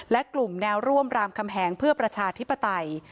และกลุ่มแนวร่วมรามคำแหงเพื่อประชาธิปไตย